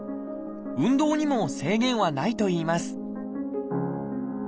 運動にも制限はないといいます